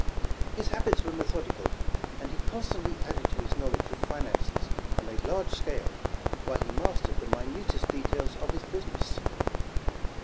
His habits were methodical, and he con stantly added to his knowledge of finances on a large scale, while he mastered the minutest details of his business.